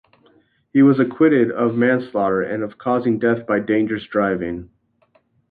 He was acquitted of manslaughter, and of causing death by dangerous driving.